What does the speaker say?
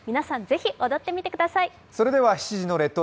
ぜひ踊ってみてください。